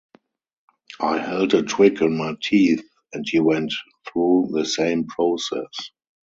I held a twig in my teeth, and he went through the same process.